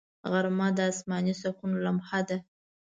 غرمه د آسماني سکون لمحه ده